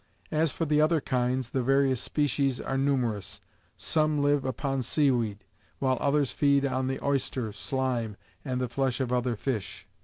As for the other kinds, the various species are numerous ; some^' live upon sea weed, while others feed on the oyster, slime, and the flesh of other fish.